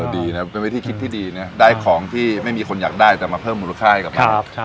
ดีนะเป็นวิธีคิดที่ดีนะได้ของที่ไม่มีคนอยากได้แต่มาเพิ่มมูลค่าให้กับมัน